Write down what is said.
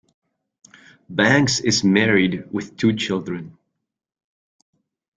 Banks is married with two children.